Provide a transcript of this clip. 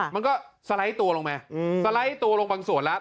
มันก็สไลด์ตัวลงมาสไลด์ตัวลงบางส่วนแล้ว